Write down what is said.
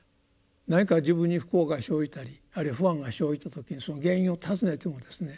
何か自分に不幸が生じたりあるいは不安が生じた時にその原因をたずねてもですね